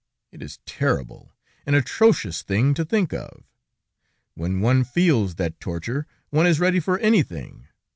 It is a terrible, an atrocious thing to think of. When one feels that torture, one is ready for anything.